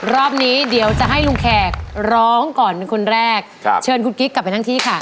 รอบนี้เดี๋ยวจะให้ลุงแขกร้องก่อนเป็นคนแรกครับเชิญคุณกิ๊กกลับไปทั้งที่ค่ะ